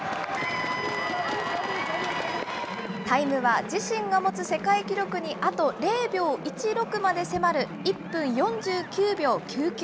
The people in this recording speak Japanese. タイムは自身が持つ世界記録にあと０秒１６まで迫る１分４９秒９９。